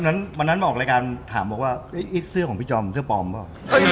วันนั้นออกรายการถามบอกว่าเสื้อของพี่จอมเสื้อปลอมเปล่า